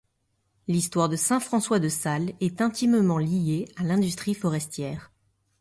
L’histoire de Saint-François-de-Sales est intimement liée à l’industrie forestière.